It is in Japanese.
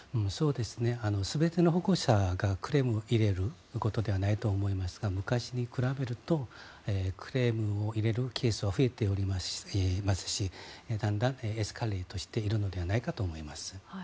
全ての保護者がクレームを入れることではないと思いますが昔に比べるとクレームを入れるケースは増えておりますしだんだんエスカレートしているのではないかと思います。